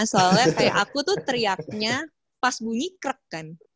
soalnya kayak aku tuh teriaknya pas bunyi krek kan